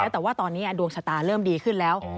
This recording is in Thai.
แต่ว่าตอนนี้ดวงชะตาเริ่มดีขึ้นแล้ว